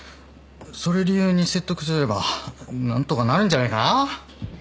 それ理由に説得すれば何とかなるんじゃないかな？